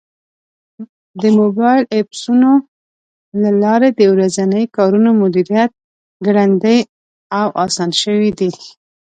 د موبایل ایپسونو له لارې د ورځني کارونو مدیریت ګړندی او اسان شوی دی.